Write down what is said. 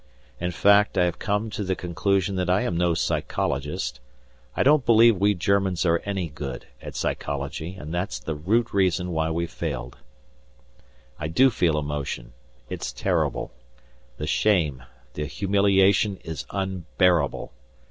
In fact, I have come to the conclusion that I am no psychologist I don't believe we Germans are any good at psychology, and that's the root reason why we've failed. I do feel emotion it's terrible; the shame the humiliation is unbearable.